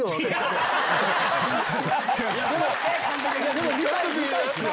でも見たいっすよ！